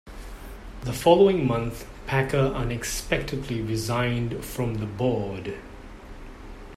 The following month Packer unexpectedly resigned from the board.